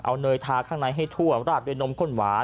เอาเนยทาข้างในให้ทั่วราดด้วยนมข้นหวาน